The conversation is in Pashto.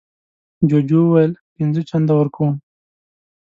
جوجو وویل پینځه چنده ورکوم.